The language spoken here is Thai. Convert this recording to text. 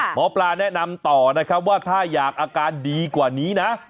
หมอปลาแนะนำต่อนะครับว่าถ้าอยากอาการดีกว่านี้นะ